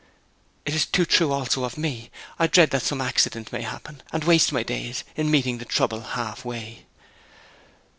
'It is too true also of me! I dread that some accident may happen, and waste my days in meeting the trouble half way.'